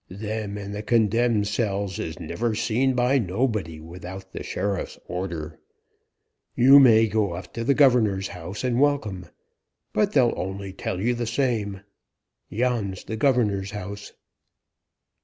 Them in the condemned cells is never seen by nobody without the sheriff's order. You may go up to the governor's house and welcome; but they'll only tell you the same. Yon's the governor's house."